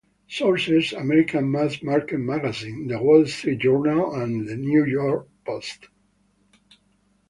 Sources: "American Mass-Market Magazines" "The Wall Street Journal" and "New York Post".